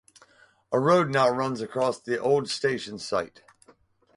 A road now runs across the old station site.